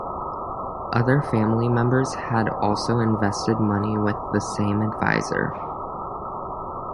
Other family members had also invested money with the same advisor.